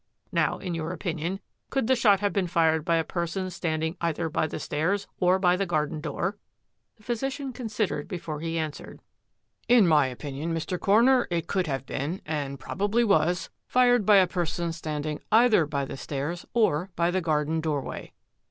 Now in your opinion could the shot have been fired by a person standing either by the stairs or by the garden door? '* The physician considered before he answered, " In my opinion, Mr. Coroner, it could have been, and probably was, fired by a person standing either by the stairs or by the garden doorway."